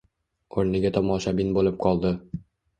O‘rniga tomoshabin bo‘lib qoldi.